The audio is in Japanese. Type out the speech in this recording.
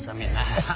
ハハハ。